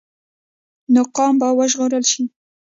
نو قام به وژغورل شي.